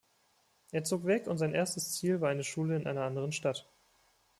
Er zog weg, und sein erstes Ziel war eine Schule in einer anderen Stadt.